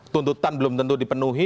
tuntutan belum tentu dipenuhi